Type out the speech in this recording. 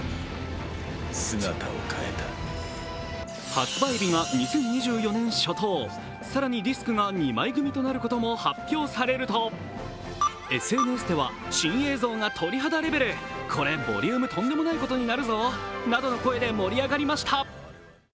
発売日が２０２４年初頭、更にディスクが２枚組となることも発表されると、ＳＮＳでは盛り上がりました。